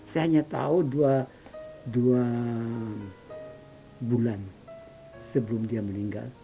saya hanya tahu dua bulan sebelum dia meninggal